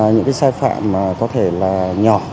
những cái sai phạm có thể là nhỏ